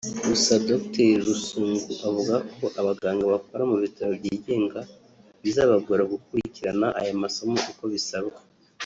Gusa Dr Rusungu avuga ko abaganga bakora mu bitaro byigenga bizabagora gukurikiran aya masomo uko bisabwa